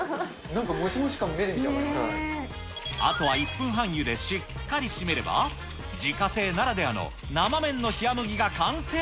なんかもあとは１分半ゆで、しっかり締めれば、自家製ならではの生麺の冷や麦が完成。